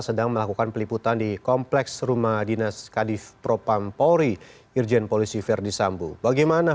selamat sore mas nugi